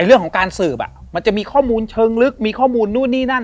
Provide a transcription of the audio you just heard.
เรื่องของการสืบมันจะมีข้อมูลเชิงลึกมีข้อมูลนู่นนี่นั่น